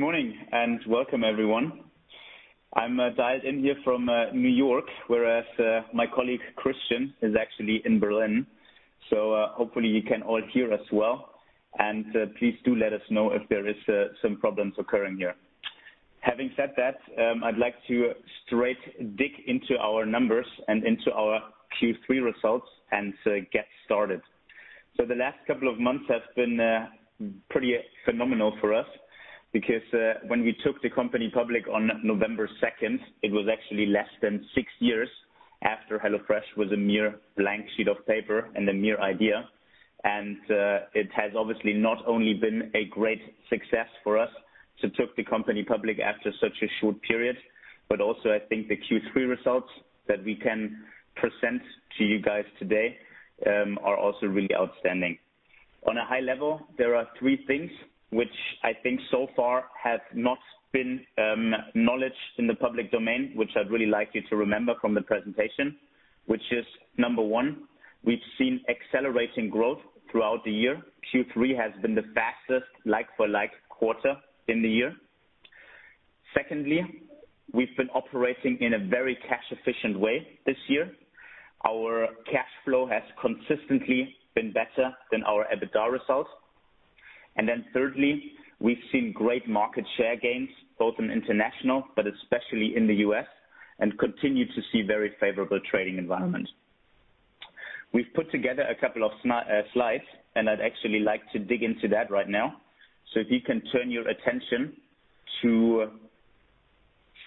Good morning, welcome everyone. I'm dialed in here from New York, whereas my colleague Christian is actually in Berlin. Hopefully you can all hear us well. Please do let us know if there is some problems occurring here. Having said that, I'd like to straight dig into our numbers and into our Q3 results and to get started. The last couple of months have been pretty phenomenal for us because when we took the company public on November 2nd, it was actually less than six years after HelloFresh was a mere blank sheet of paper and a mere idea. It has obviously not only been a great success for us to take the company public after such a short period, but also I think the Q3 results that we can present to you guys today are also really outstanding. On a high level, there are three things which I think so far have not been acknowledged in the public domain, which I'd really like you to remember from the presentation, which is, number one, we've seen accelerating growth throughout the year. Q3 has been the fastest like-for-like quarter in the year. Secondly, we've been operating in a very cash-efficient way this year. Our cash flow has consistently been better than our EBITDA results. Thirdly, we've seen great market share gains, both in international, but especially in the U.S., and continue to see very favorable trading environments. We've put together a couple of slides. I'd actually like to dig into that right now. If you can turn your attention to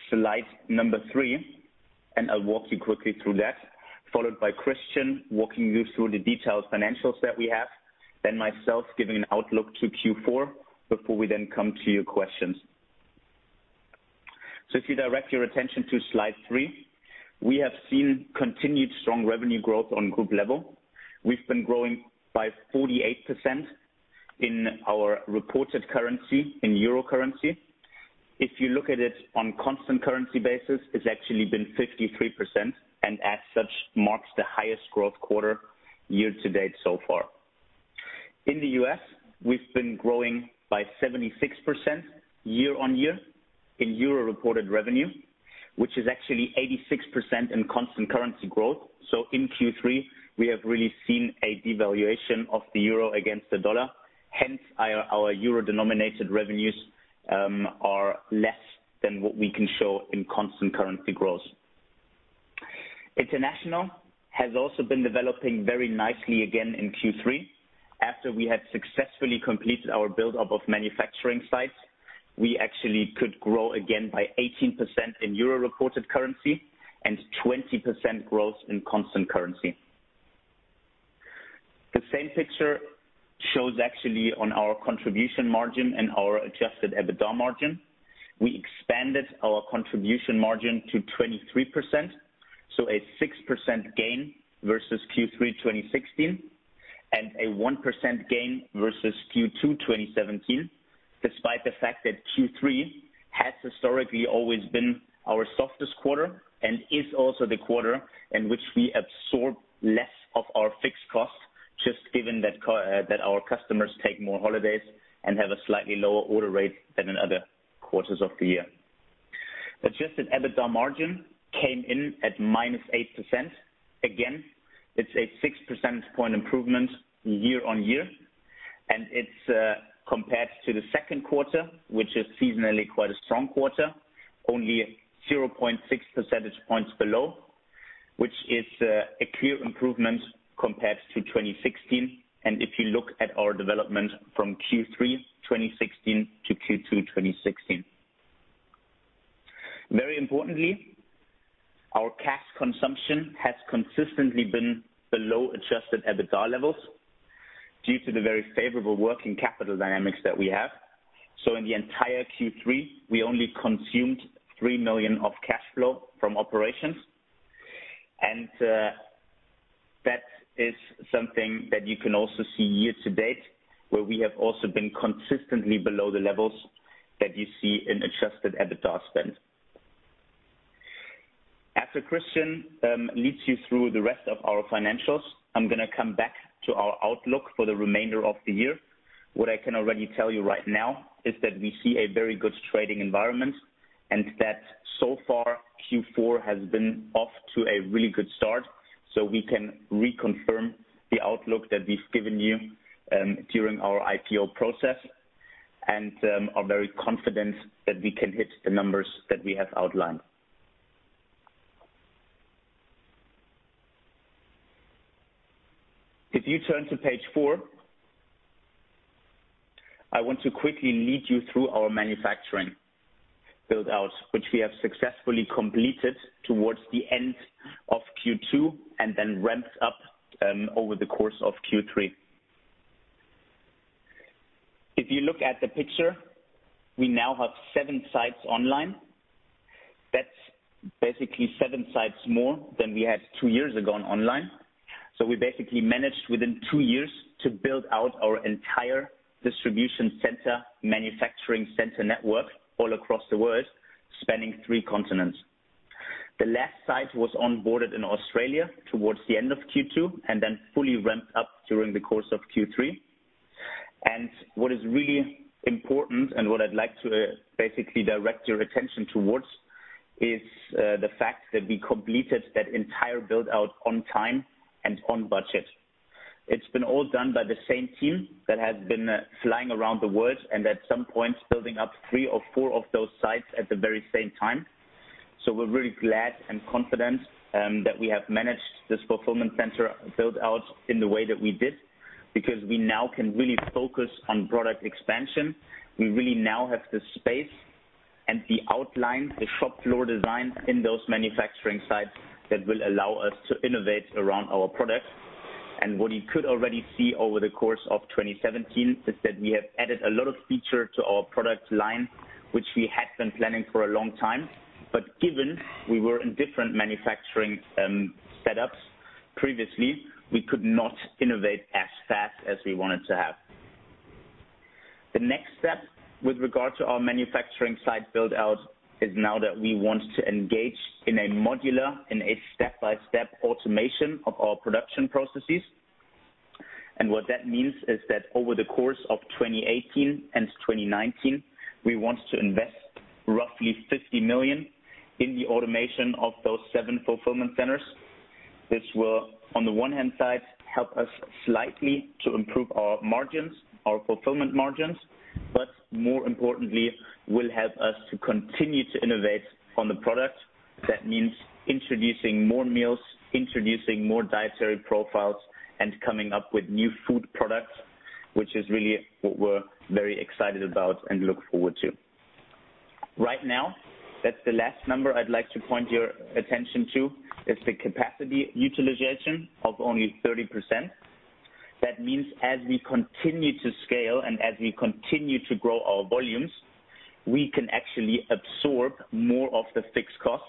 slide number three, and I'll walk you quickly through that, followed by Christian walking you through the detailed financials that we have, then myself giving an outlook to Q4 before we then come to your questions. If you direct your attention to slide three, we have seen continued strong revenue growth on group level. We've been growing by 48% in our reported currency, in EUR currency. If you look at it on constant currency basis, it's actually been 53%. As such, it marks the highest growth quarter year to date so far. In the U.S., we've been growing by 76% year on year in EUR reported revenue, which is actually 86% in constant currency growth. In Q3, we have really seen a devaluation of the EUR against the U.S. dollar. Hence, our EUR-denominated revenues are less than what we can show in constant currency growth. International has also been developing very nicely again in Q3. After we had successfully completed our buildup of manufacturing sites, we actually could grow again by 18% in EUR reported currency and 20% growth in constant currency. The same picture shows actually on our contribution margin and our adjusted EBITDA margin. We expanded our contribution margin to 23%, a 6% gain versus Q3 2016 and a 1% gain versus Q2 2017, despite the fact that Q3 has historically always been our softest quarter and is also the quarter in which we absorb less of our fixed costs, just given that our customers take more holidays and have a slightly lower order rate than in other quarters of the year. Adjusted EBITDA margin came in at -8%. It's a six percentage point improvement year-on-year, and it's compared to the second quarter, which is seasonally quite a strong quarter, only 0.6 percentage points below, which is a clear improvement compared to 2016 and if you look at our development from Q3 2016 to Q2 2016. Very importantly, our cash consumption has consistently been below adjusted EBITDA levels due to the very favorable working capital dynamics that we have. In the entire Q3, we only consumed 3 million of cash flow from operations. That is something that you can also see year-to-date, where we have also been consistently below the levels that you see in adjusted EBITDA spend. After Christian leads you through the rest of our financials, I'm going to come back to our outlook for the remainder of the year. What I can already tell you right now is that we see a very good trading environment, and that so far, Q4 has been off to a really good start, so we can reconfirm the outlook that we've given you during our IPO process and are very confident that we can hit the numbers that we have outlined. If you turn to page four, I want to quickly lead you through our manufacturing build-out, which we have successfully completed towards the end of Q2 and then ramped up over the course of Q3. If you look at the picture, we now have seven sites online. That's basically seven sites more than we had two years ago online. We basically managed within two years to build out our entire distribution center, manufacturing center network all across the world, spanning three continents. The last site was onboarded in Australia towards the end of Q2, then fully ramped up during the course of Q3. What is really important, and what I'd like to basically direct your attention towards, is the fact that we completed that entire build-out on time and on budget. It's been all done by the same team that has been flying around the world, and at some points, building up three or four of those sites at the very same time. We're really glad and confident that we have managed this fulfillment center build-out in the way that we did, because we now can really focus on product expansion. We really now have the space and the outline, the shop floor design in those manufacturing sites that will allow us to innovate around our product. What you could already see over the course of 2017 is that we have added a lot of features to our product line, which we had been planning for a long time, but given we were in different manufacturing setups previously, we could not innovate as fast as we wanted to have. The next step with regard to our manufacturing site build-out is now that we want to engage in a modular and a step-by-step automation of our production processes. What that means is that over the course of 2018 and 2019, we want to invest roughly 50 million in the automation of those seven fulfillment centers. This will, on the one-hand side, help us slightly to improve our margins, our fulfillment margins, but more importantly, will help us to continue to innovate on the product. That means introducing more meals, introducing more dietary profiles, and coming up with new food products, which is really what we're very excited about and look forward to. Right now, that's the last number I'd like to point your attention to, is the capacity utilization of only 30%. That means as we continue to scale and as we continue to grow our volumes, we can actually absorb more of the fixed costs,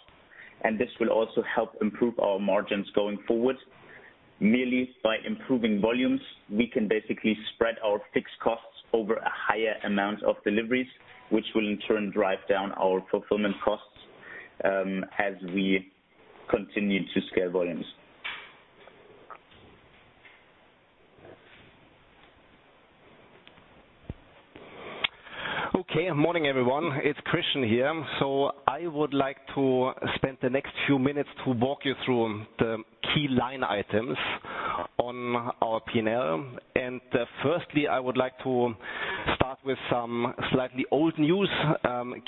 and this will also help improve our margins going forward. Merely by improving volumes, we can basically spread our fixed costs over a higher amount of deliveries, which will in turn drive down our fulfillment costs as we continue to scale volumes. Okay. Morning, everyone. It's Christian here. I would like to spend the next few minutes to walk you through the key line items on our P&L. Firstly, I would like to start with some slightly old news,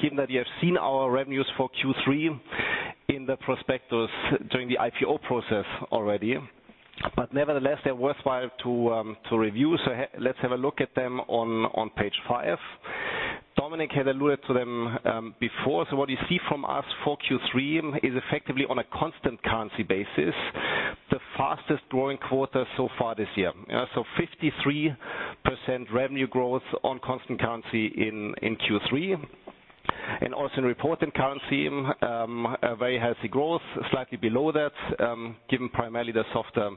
given that you have seen our revenues for Q3 in the prospectus during the IPO process already. Nevertheless, they're worthwhile to review. Let's have a look at them on page five. Dominik had alluded to them before. What you see from us for Q3 is effectively, on a constant currency basis, the fastest-growing quarter so far this year. 53% revenue growth on constant currency in Q3. Also in reported currency, a very healthy growth, slightly below that, given primarily the softer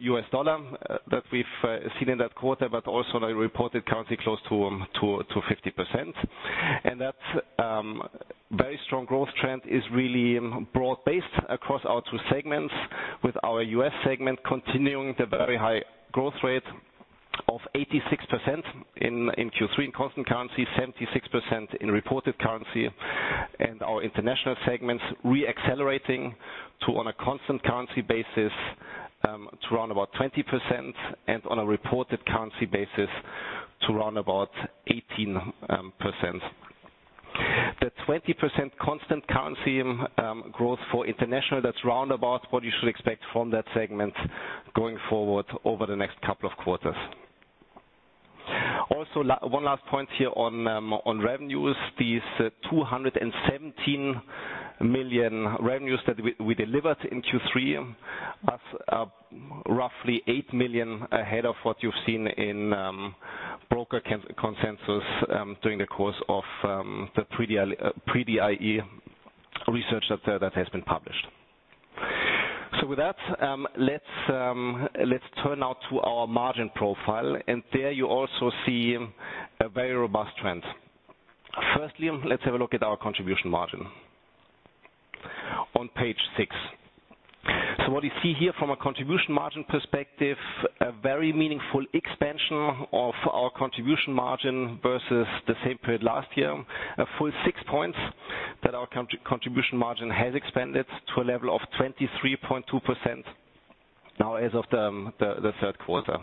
US dollar that we've seen in that quarter, but also the reported currency close to 50%. That very strong growth trend is really broad-based across our two segments, with our U.S. segment continuing the very high growth rate of 86% in Q3 in constant currency, 76% in reported currency, and our international segments re-accelerating to, on a constant currency basis, to around about 20%, and on a reported currency basis, to around about 18%. The 20% constant currency growth for international, that's round about what you should expect from that segment going forward over the next couple of quarters. Also, one last point here on revenues. These 217 million revenues that we delivered in Q3 are roughly 8 million ahead of what you've seen in broker consensus during the course of the pre-IPO research that has been published. With that, let's turn now to our margin profile, and there you also see a very robust trend. Firstly, let's have a look at our contribution margin on page six. What you see here from a contribution margin perspective, a very meaningful expansion of our contribution margin versus the same period last year. A full six points that our contribution margin has expanded to a level of 23.2% now as of the third quarter.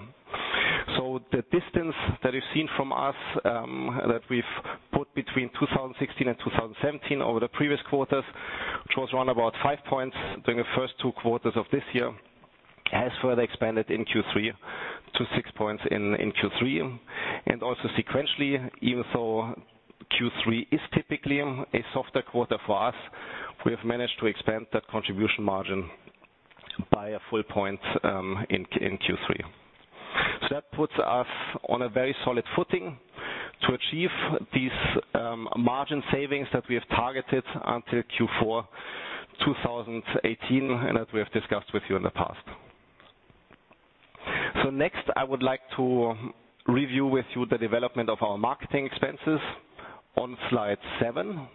The distance that you've seen from us that we've put between 2016 and 2017 over the previous quarters, which was around about five points during the first two quarters of this year, has further expanded in Q3 to six points in Q3. Also sequentially, even though Q3 is typically a softer quarter for us, we have managed to expand that contribution margin by a full point in Q3. That puts us on a very solid footing to achieve these margin savings that we have targeted until Q4 2018, and that we have discussed with you in the past. Next, I would like to review with you the development of our marketing expenses on slide seven.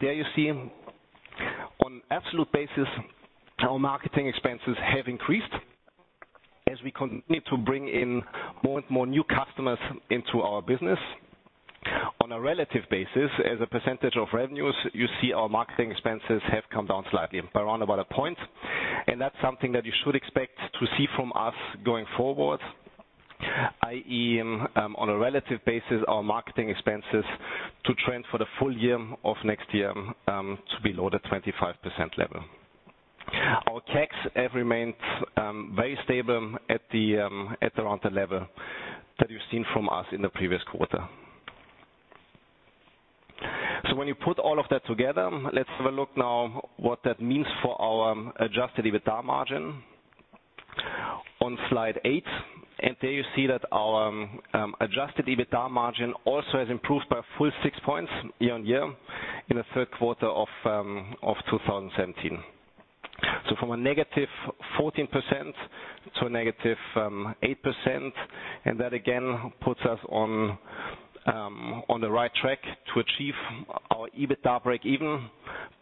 There you see, on absolute basis, our marketing expenses have increased as we continue to bring in more and more new customers into our business. On a relative basis, as a percentage of revenues, you see our marketing expenses have come down slightly by around about a point, and that's something that you should expect to see from us going forward, i.e., on a relative basis, our marketing expenses to trend for the full year of next year, to be below the 25% level. Our tax have remained very stable at around the level that you've seen from us in the previous quarter. When you put all of that together, let's have a look now what that means for our adjusted EBITDA margin on slide eight. There you see that our adjusted EBITDA margin also has improved by a full six points year on year in the third quarter of 2017. From a -14% to a -8%. That again, puts us on the right track to achieve our EBITDA breakeven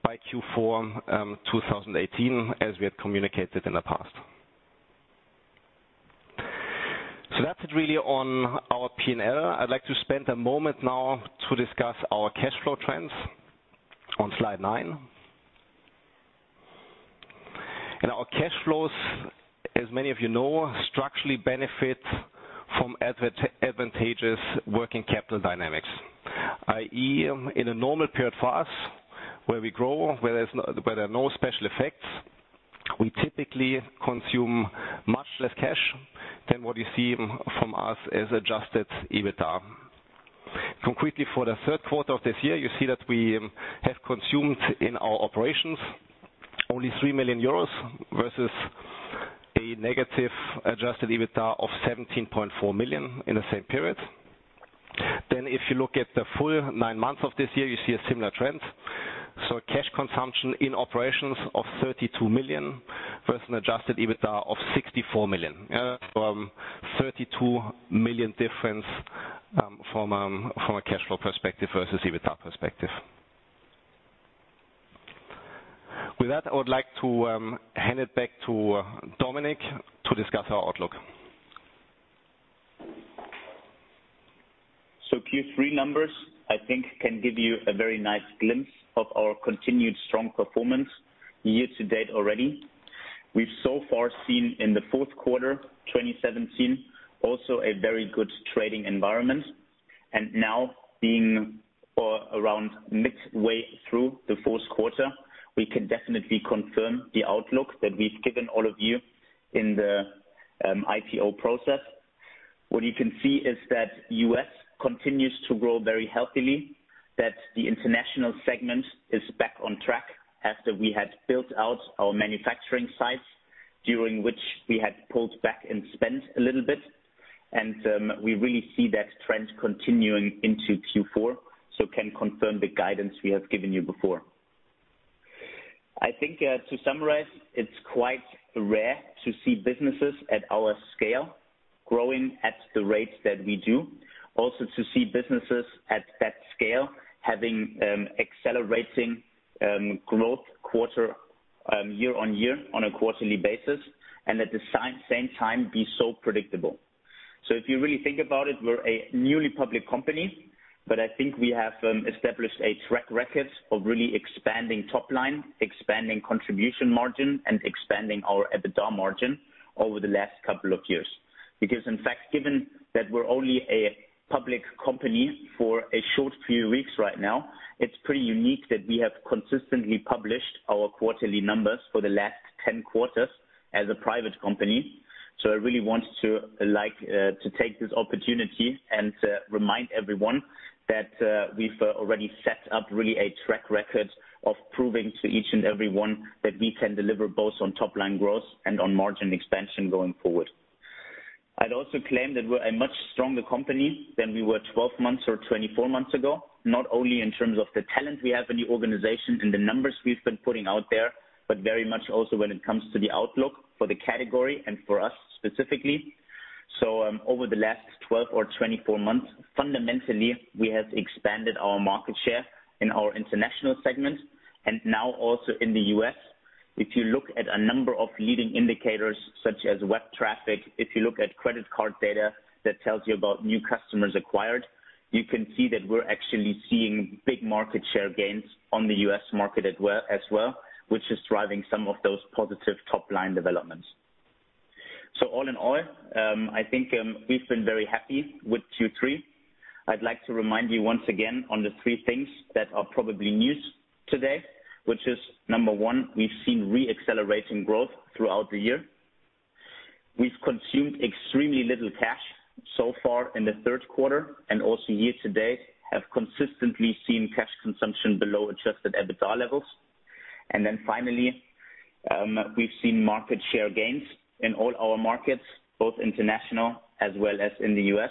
by Q4 2018, as we had communicated in the past. That's it really on our P&L. I'd like to spend a moment now to discuss our cash flow trends on slide nine. Our cash flows, as many of you know, structurally benefit from advantageous working capital dynamics, i.e., in a normal period for us where we grow, where there are no special effects, we typically consume much less cash than what you see from us as adjusted EBITDA. Concretely, for the third quarter of this year, you see that we have consumed in our operations only 3 million euros versus a -17.4 million adjusted EBITDA in the same period. If you look at the full nine months of this year, you see a similar trend. Cash consumption in operations of 32 million versus an adjusted EBITDA of 64 million. A 32 million difference from a cash flow perspective versus EBITDA perspective. With that, I would like to hand it back to Dominik to discuss our outlook. Q3 numbers, I think, can give you a very nice glimpse of our continued strong performance year to date already. We've so far seen in the fourth quarter 2017 also a very good trading environment. Now being around mid way through the fourth quarter, we can definitely confirm the outlook that we've given all of you in the IPO process. What you can see is that U.S. continues to grow very healthily, that the international segment is back on track after we had built out our manufacturing sites, during which we had pulled back in spend a little bit. We really see that trend continuing into Q4, can confirm the guidance we have given you before. I think to summarize, it's quite rare to see businesses at our scale growing at the rates that we do, also to see businesses at that scale having accelerating growth year-on-year on a quarterly basis, and at the same time be so predictable. If you really think about it, we're a newly public company, but I think we have established a track record of really expanding top-line, expanding contribution margin, and expanding our EBITDA margin over the last 2 years. In fact, given that we're only a public company for a short few weeks right now, it's pretty unique that we have consistently published our quarterly numbers for the last 10 quarters as a private company. I really want to take this opportunity and remind everyone that we've already set up really a track record of proving to each and everyone that we can deliver both on top-line growth and on margin expansion going forward. I'd also claim that we're a much stronger company than we were 12 months or 24 months ago, not only in terms of the talent we have in the organization and the numbers we've been putting out there, but very much also when it comes to the outlook for the category and for us specifically. Over the last 12 or 24 months, fundamentally, we have expanded our market share in our international segment and now also in the U.S. If you look at a number of leading indicators such as web traffic, if you look at credit card data that tells you about new customers acquired, you can see that we're actually seeing big market share gains on the U.S. market as well, which is driving some of those positive top-line developments. All in all, I think we've been very happy with Q3. I'd like to remind you once again on the 3 things that are probably news today, which is, number 1, we've seen re-accelerating growth throughout the year. We've consumed extremely little cash so far in the third quarter and also year-to-date have consistently seen cash consumption below adjusted EBITDA levels. Finally, we've seen market share gains in all our markets, both international as well as in the U.S.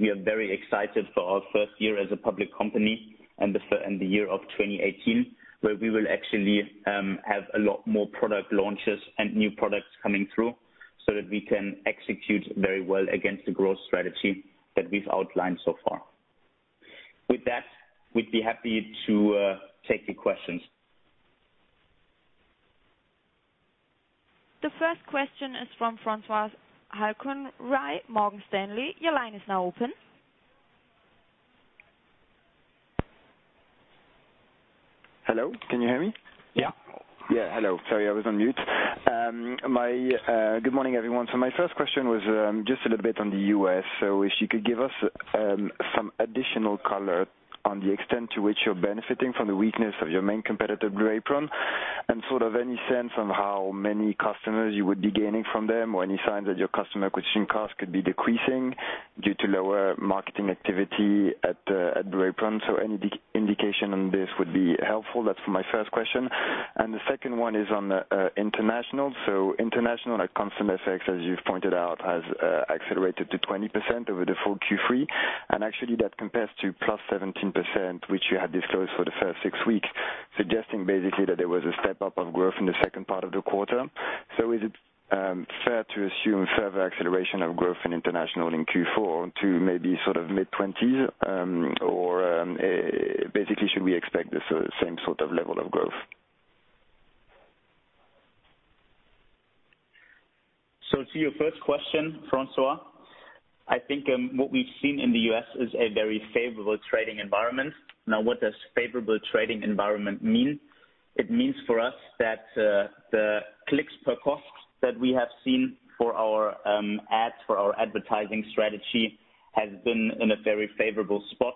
We are very excited for our first year as a public company and the year of 2018, where we will actually have a lot more product launches and new products coming through so that we can execute very well against the growth strategy that we've outlined so far. With that, we'd be happy to take the questions. The first question is from Francois Halcon, Morgan Stanley. Your line is now open. Hello, can you hear me? Yeah. Yeah, hello. Sorry, I was on mute. Good morning, everyone. My first question was just a little bit on the U.S. If you could give us some additional color on the extent to which you're benefiting from the weakness of your main competitor, Blue Apron, and sort of any sense on how many customers you would be gaining from them, or any signs that your customer acquisition costs could be decreasing due to lower marketing activity at Blue Apron. Any indication on this would be helpful. That's for my first question. The second one is on international. International, at constant FX, as you've pointed out, has accelerated to 20% over the full Q3. Actually that compares to plus 17%, which you had disclosed for the first six weeks, suggesting basically that there was a step up of growth in the second part of the quarter. Is it fair to assume further acceleration of growth in international in Q4 to maybe mid-20s? Basically should we expect the same sort of level of growth? To your first question, Francois, I think what we've seen in the U.S. is a very favorable trading environment. What does favorable trading environment mean? It means for us that the clicks per cost that we have seen for our ads, for our advertising strategy, has been in a very favorable spot.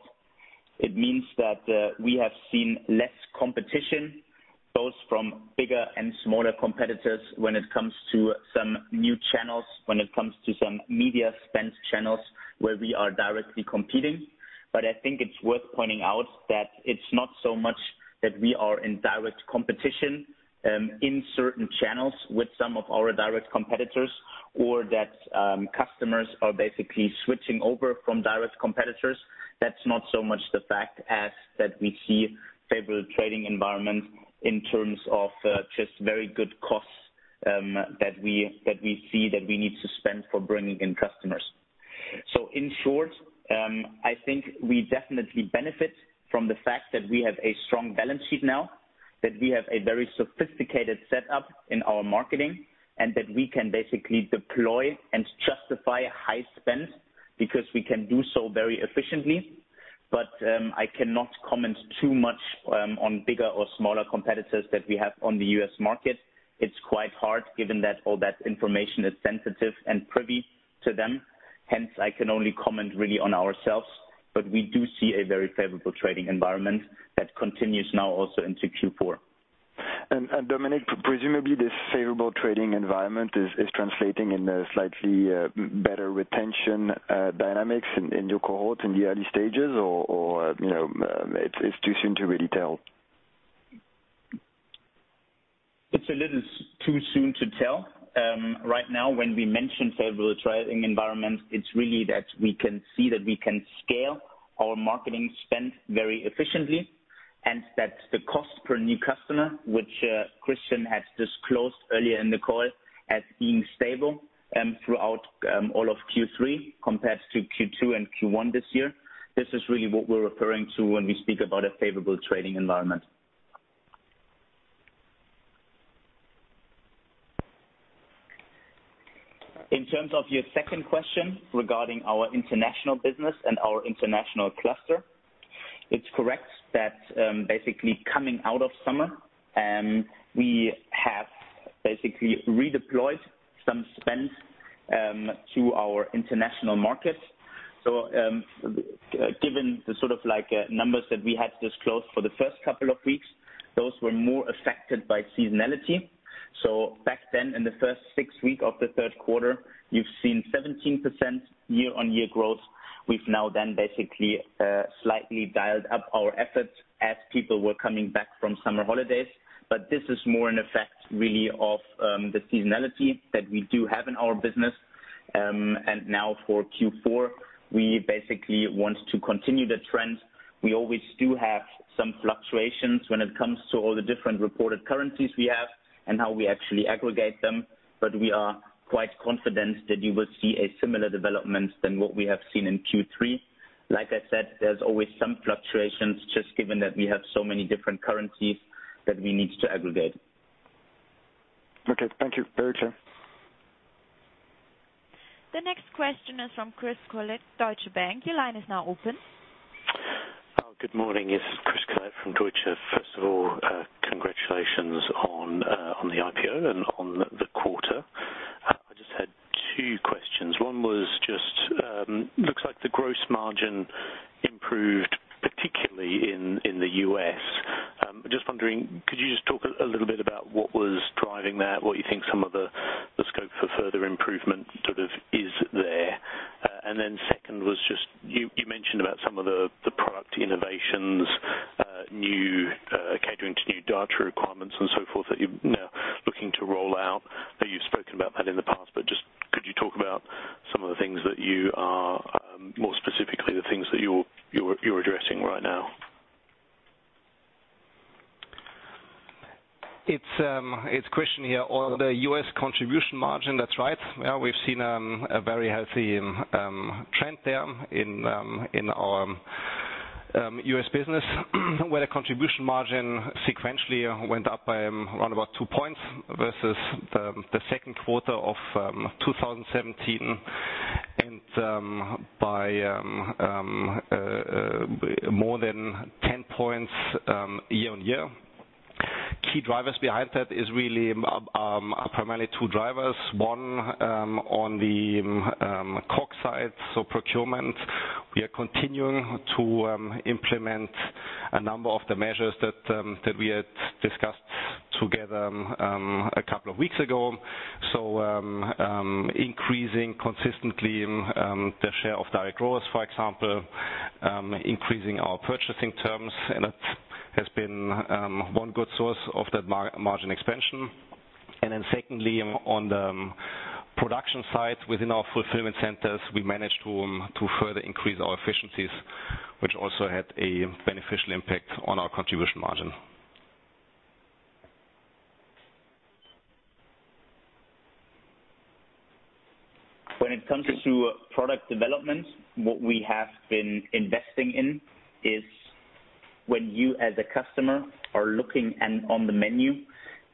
It means that we have seen less competition, both from bigger and smaller competitors when it comes to some new channels, when it comes to some media spend channels where we are directly competing. I think it's worth pointing out that it's not so much that we are in direct competition in certain channels with some of our direct competitors, or that customers are basically switching over from direct competitors. That's not so much the fact as that we see favorable trading environment in terms of just very good costs that we see that we need to spend for bringing in customers. In short, I think we definitely benefit from the fact that we have a strong balance sheet now, that we have a very sophisticated setup in our marketing, and that we can basically deploy and justify high spend because we can do so very efficiently. I cannot comment too much on bigger or smaller competitors that we have on the U.S. market. It's quite hard given that all that information is sensitive and privy to them. Hence, I can only comment really on ourselves, but we do see a very favorable trading environment that continues now also into Q4. Dominik, presumably this favorable trading environment is translating in a slightly better retention dynamics in your cohort in the early stages, or it's too soon to really tell? It's a little too soon to tell. Right now when we mention favorable trading environment, it's really that we can see that we can scale our marketing spend very efficiently, and that the cost per new customer, which Christian has disclosed earlier in the call as being stable throughout all of Q3 compared to Q2 and Q1 this year. This is really what we're referring to when we speak about a favorable trading environment. In terms of your second question regarding our international business and our international cluster, it's correct that basically coming out of summer, we have basically redeployed some spend to our international markets. Given the numbers that we had disclosed for the first couple of weeks, those were more affected by seasonality. Back then, in the first six weeks of the third quarter, you've seen 17% year-over-year growth. We've now basically slightly dialed up our efforts as people were coming back from summer holidays. This is more an effect really of the seasonality that we do have in our business. Now for Q4, we basically want to continue the trend. We always do have some fluctuations when it comes to all the different reported currencies we have and how we actually aggregate them. We are quite confident that you will see a similar development than what we have seen in Q3. Like I said, there's always some fluctuations just given that we have so many different currencies that we need to aggregate. Okay, thank you. Over to you. The next question is from Chris Collett, Deutsche Bank. Your line is now open. Good morning. This is Chris Collett from Deutsche. First of all, congratulations on the IPO and on the quarter. I just had two questions. One was just, looks like the gross margin improved, particularly in the U.S. Just wondering, could you just talk a little bit about what was driving that? What you think some of the scope for further improvement sort of is there? Second was just you mentioned about some of the product innovations catering to new die requirements and so forth that you're now looking to roll out. I know you've spoken about that in the past, but just could you talk about some of the things that you are, more specifically, the things that you're addressing right now? It's Christian here. On the U.S. contribution margin, that's right. We've seen a very healthy trend there in our U.S. business, where the contribution margin sequentially went up by around about two points versus the second quarter of 2017 and by more than 10 points year-over-year. Key drivers behind that is really primarily two drivers. One, on the COGS side, so procurement. We are continuing to implement a number of the measures that we had discussed together a couple of weeks ago. Increasing consistently the share of direct growers, for example, increasing our purchasing terms, and that has been one good source of that margin expansion. Secondly, on the production side, within our fulfillment centers, we managed to further increase our efficiencies, which also had a beneficial impact on our contribution margin. When it comes to product development, what we have been investing in is when you as a customer are looking and on the menu,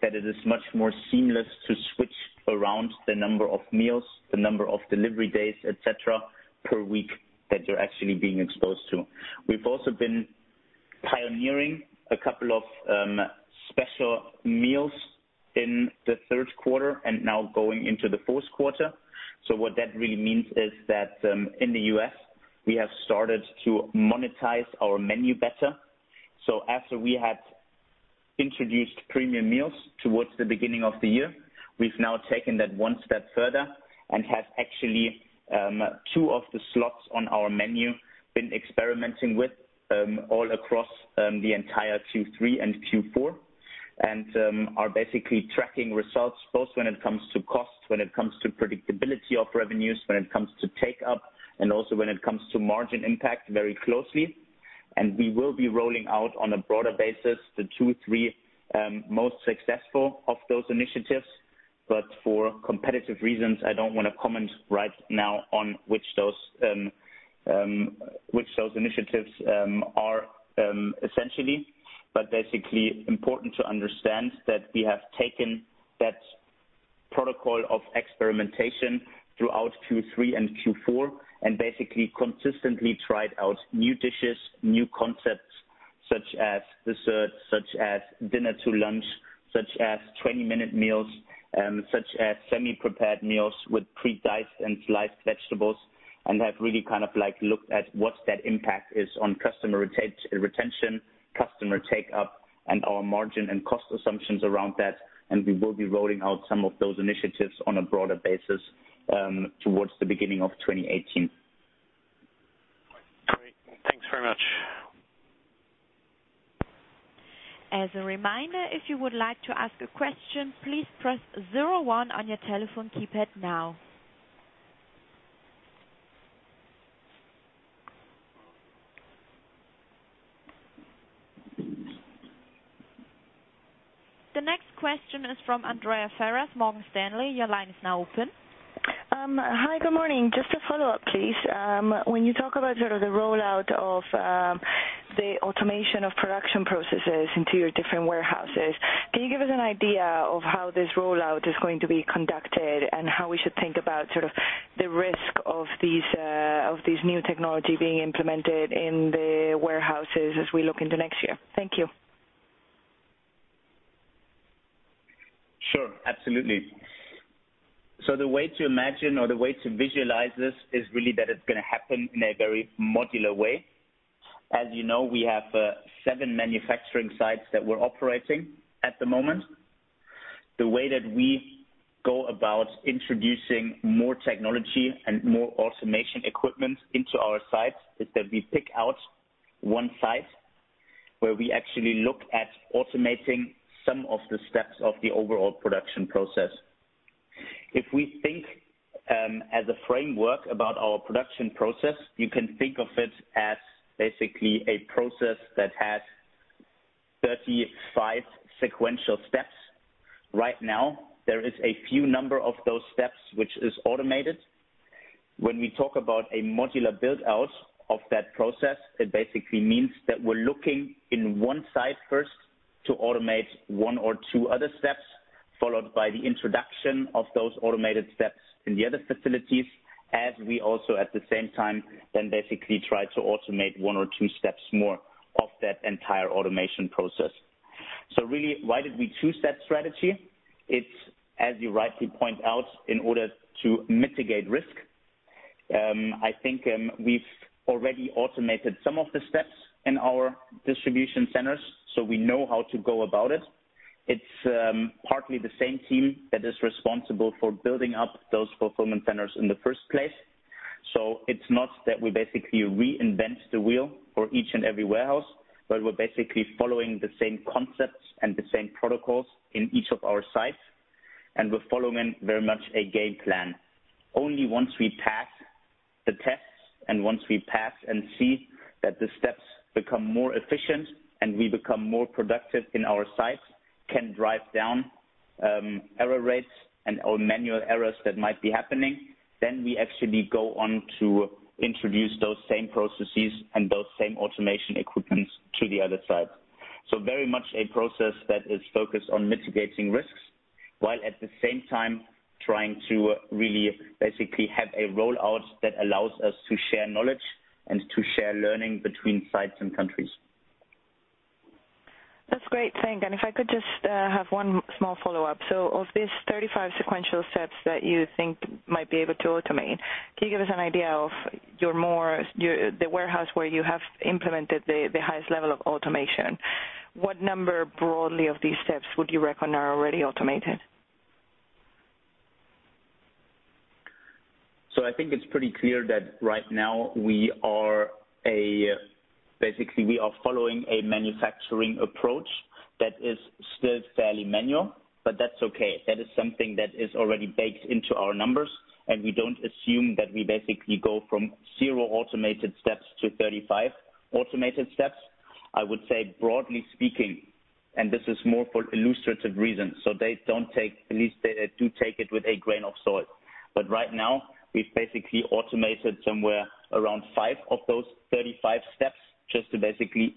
that it is much more seamless to switch around the number of meals, the number of delivery days, et cetera, per week that you're actually being exposed to. We've also been pioneering a couple of special meals in the third quarter and now going into the fourth quarter. What that really means is that in the U.S., we have started to monetize our menu better. After we had introduced premium meals towards the beginning of the year, we've now taken that one step further and have actually two of the slots on our menu been experimenting with all across the entire Q3 and Q4, and are basically tracking results both when it comes to cost, when it comes to predictability of revenues, when it comes to take up, and also when it comes to margin impact very closely. We will be rolling out on a broader basis the two, three most successful of those initiatives. For competitive reasons, I don't want to comment right now on which those initiatives are essentially. Basically important to understand that we have taken that protocol of experimentation throughout Q3 and Q4 and basically consistently tried out new dishes, new concepts such as desserts, such as dinner to lunch, such as 20-Minute Meals, such as semi-prepared meals with pre-diced and sliced vegetables, and have really looked at what that impact is on customer retention, customer take-up, and our margin and cost assumptions around that. We will be rolling out some of those initiatives on a broader basis towards the beginning of 2018. Great. Thanks very much. As a reminder, if you would like to ask a question, please press zero one on your telephone keypad now. The next question is from Andrea Ferraz, Morgan Stanley. Your line is now open. Hi, good morning. Just a follow-up, please. When you talk about sort of the rollout of the automation of production processes into your different warehouses, can you give us an idea of how this rollout is going to be conducted and how we should think about sort of the risk of these new technology being implemented in the warehouses as we look into next year? Thank you. Sure. Absolutely. The way to imagine or the way to visualize this is really that it's going to happen in a very modular way. As you know, we have seven manufacturing sites that we're operating at the moment. The way that we go about introducing more technology and more automation equipment into our sites is that we pick out one site where we actually look at automating some of the steps of the overall production process. If we think as a framework about our production process, you can think of it as basically a process that has 35 sequential steps. Right now, there is a few number of those steps which is automated. When we talk about a modular build-out of that process, it basically means that we're looking in one site first to automate one or two other steps, followed by the introduction of those automated steps in the other facilities as we also at the same time then basically try to automate one or two steps more of that entire automation process. Really, why did we choose that strategy? It's as you rightly point out, in order to mitigate risk. I think we've already automated some of the steps in our distribution centers, so we know how to go about it. It's partly the same team that is responsible for building up those fulfillment centers in the first place. It's not that we basically reinvent the wheel for each and every warehouse, but we're basically following the same concepts and the same protocols in each of our sites. We're following very much a game plan. Only once we pass the tests, and once we pass and see that the steps become more efficient and we become more productive in our sites, can drive down error rates and/or manual errors that might be happening, then we actually go on to introduce those same processes and those same automation equipments to the other sites. Very much a process that is focused on mitigating risks, while at the same time trying to really basically have a rollout that allows us to share knowledge and to share learning between sites and countries. That's great. Thank. If I could just have one small follow-up. Of these 35 sequential steps that you think might be able to automate, can you give us an idea of the warehouse where you have implemented the highest level of automation? What number broadly of these steps would you reckon are already automated? I think it's pretty clear that right now, basically we are following a manufacturing approach that is still fairly manual, but that's okay. That is something that is already baked into our numbers, and we don't assume that we basically go from zero automated steps to 35 automated steps. I would say, broadly speaking, and this is more for illustrative reasons, so please do take it with a grain of salt. Right now, we've basically automated somewhere around five of those 35 steps, just basically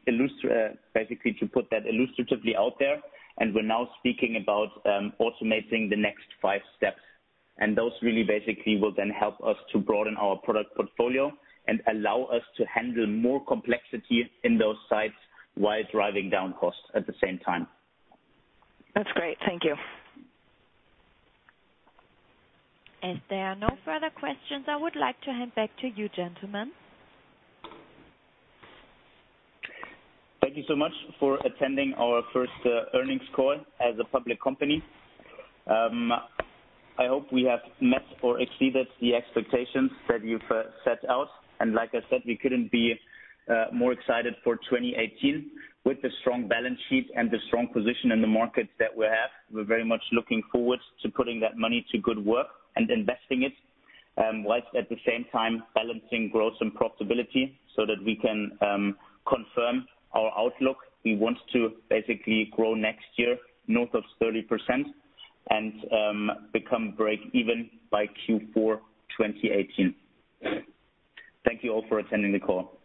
to put that illustratively out there, and we're now speaking about automating the next five steps. Those really basically will then help us to broaden our product portfolio and allow us to handle more complexity in those sites, while driving down costs at the same time. That's great. Thank you. If there are no further questions, I would like to hand back to you, gentlemen. Thank you so much for attending our first earnings call as a public company. I hope we have met or exceeded the expectations that you've set out. Like I said, we couldn't be more excited for 2018 with the strong balance sheet and the strong position in the markets that we have. We're very much looking forward to putting that money to good work and investing it, whilst at the same time balancing growth and profitability so that we can confirm our outlook. We want to basically grow next year north of 30% and become break even by Q4 2018. Thank you all for attending the call. Bye-bye.